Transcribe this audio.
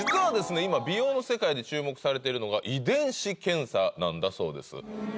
今美容の世界で注目されてるのが遺伝子検査なんだそうです